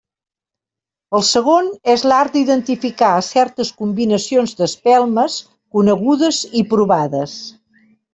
El segon és l'art d'identificar certes combinacions d'espelmes conegudes i provades.